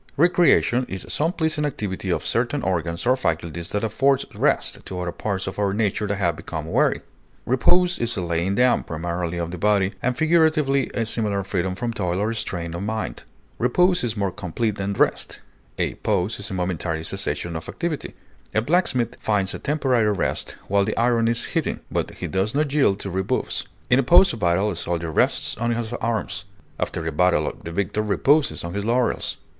Recreation is some pleasing activity of certain organs or faculties that affords rest to other parts of our nature that have become weary. Repose is a laying down, primarily of the body, and figuratively a similar freedom from toil or strain of mind. Repose is more complete than rest; a pause is a momentary cessation of activity; a black smith finds a temporary rest while the iron is heating, but he does not yield to repose; in a pause of battle a soldier rests on his arms; after the battle the victor reposes on his laurels.